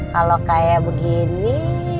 kalau kayak begini